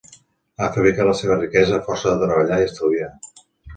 Ha fabricat la seva riquesa a força de treballar i estalviar.